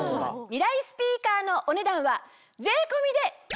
ミライスピーカーのお値段は。